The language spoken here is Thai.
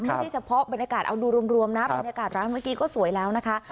ไม่ใช่เฉพาะบรรยากาศเอาดูรวมนะบรรยากาศร้านเมื่อกี้ก็สวยแล้วนะคะ